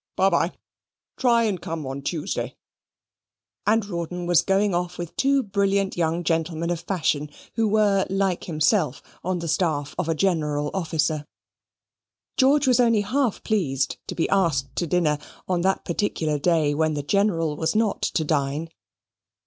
By bye. Try and come on Tuesday"; and Rawdon was going off with two brilliant young gentlemen of fashion, who were, like himself, on the staff of a general officer. George was only half pleased to be asked to dinner on that particular day when the General was not to dine.